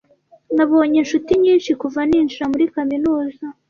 Nabonye inshuti nyinshi kuva ninjira muri kaminuza.